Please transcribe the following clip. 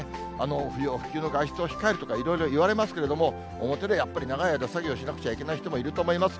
不要不急の外出を控えるとか、いろいろいわれますけれども、表でやっぱり長い間作業しなくちゃいけない人もいると思います。